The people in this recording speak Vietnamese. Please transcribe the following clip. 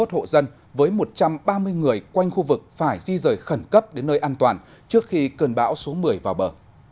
hai mươi một hộ dân với một trăm ba mươi người quanh khu vực phải di rời khẩn cấp đến nơi an toàn trước khi cơn bão số một mươi vào bờ